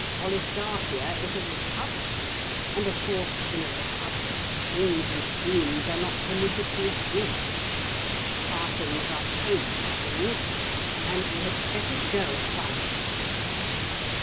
Polistarchia is a Republic, and of course in a republic kings and queens are not permitted to exist. Partings are painful things. And you had better go at once.'